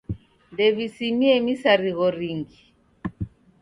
Ndew'isimie misarigho ringi.